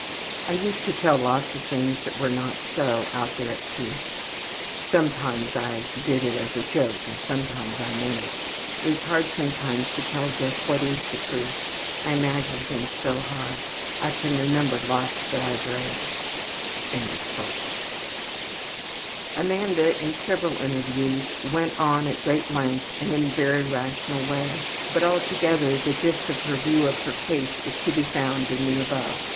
``I used to tell lots of things that were not so out there at P. Sometimes I did it as a joke and sometimes I meant it. It is hard sometimes to tell just what is the truth, I imagine things so hard. I can remember lots that I've read.'' Amanda in several interviews went on at great length in a very rational way, but altogether the gist of her view of her case is to be found in the above.